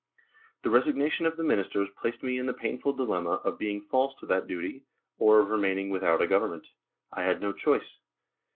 The resignation of the Ministers placed me in the painful dilemma of being false to that duty or of remaining without a Govern ment. I had no choice.